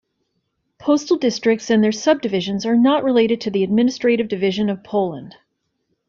Postal districts and their subdivisions are not related to the administrative division of Poland.